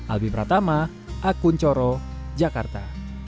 albi pratama akun coro jakarta